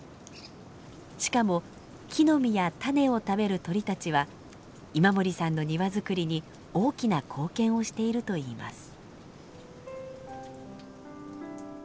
しかも木の実や種を食べる鳥たちは今森さんの庭づくりに大きな貢献をしているといいます。